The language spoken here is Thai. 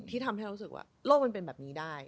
ที่ทำให้เรารู้สึกว่าโลกมันเป็นแบบนี้ได้